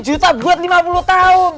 lima juta buat lima puluh tahun